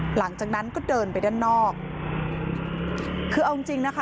หลังจากนั้นก็เดินไปด้านนอกคือเอาจริงจริงนะคะ